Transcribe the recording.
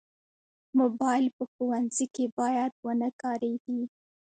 موبایل په ښوونځي کې باید ونه کارېږي.